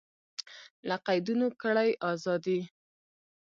له قیدونو کړئ ازادي